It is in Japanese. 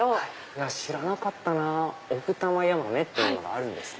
知らなかったな奥多摩ヤマメっていうのがあるんですね。